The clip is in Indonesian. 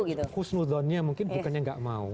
kalau saya kusnudonnya mungkin bukannya nggak mau